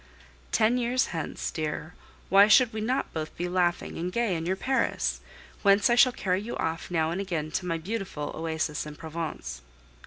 Ten years hence, dear, why should we not both be laughing and gay in your Paris, whence I shall carry you off now and again to my beautiful oasis in Provence?